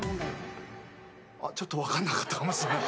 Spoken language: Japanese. あっちょっと分かんなかったかもしんない。